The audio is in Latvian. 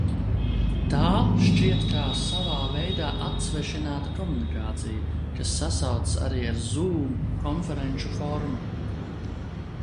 Tā šķiet kā savā veidā atsvešināta komunikācija, kas sasaucas arī ar Zūm konferenču formu.